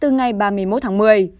ngày ba mươi một tháng một mươi